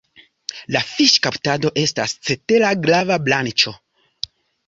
La fiŝkaptado estas cetera grava branĉo.